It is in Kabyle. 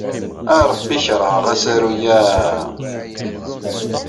A Rebbi ay kerheɣ asaru-a!